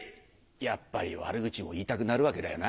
やっぱり悪口を言いたくなるわけだよな。